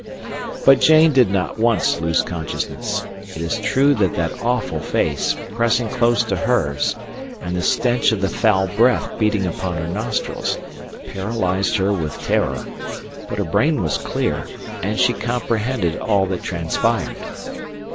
But Jane did not once lose consciousness. It is true that that awful face, pressing close to hers, and the stench of the foul breath beating upon her nostrils, paralyzed her with terror; but her brain was clear, and she comprehended all that transpired.